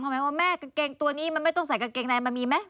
หมายว่าแม่กางเกงตัวนี้มันไม่ต้องใส่กางเกงในมันมีไหม